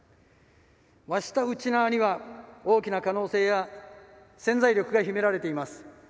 我した沖縄には、大きな可能性や潜在力が秘められています。